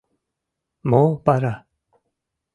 — Мо вара?..